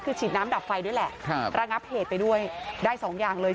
คือฉีดน้ำดับไฟด้วยแหละระงับเหตุไปด้วยได้สองอย่างเลย